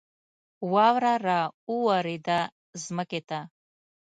واوره را اوورېده ځمکې ته